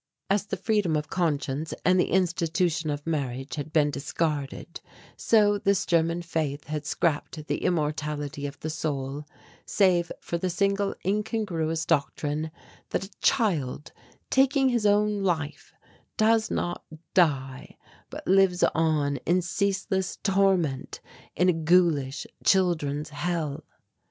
As the freedom of conscience and the institution of marriage had been discarded so this German faith had scrapped the immortality of the soul, save for the single incongruous doctrine that a child taking his own life does not die but lives on in ceaseless torment in a ghoulish Children's Hell.